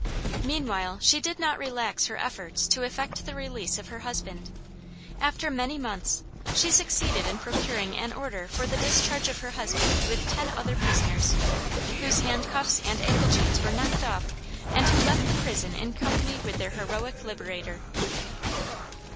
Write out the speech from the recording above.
Meanwhile she did not relax her efforts to effect the release of her husband. After many months she succeeded in procuring an order for the discharge of her husband with ten other prisoners, whose handcuffs and ankle chains were knocked off, and who left the prison in company with their heroic liberator.